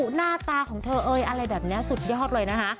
หน้าตาของเธอเอ่ยอะไรแบบนี้สุดยอดเลยนะคะ